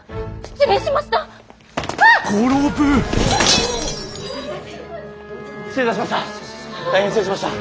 失礼いたしました。